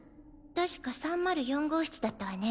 確か３０４号室だったわね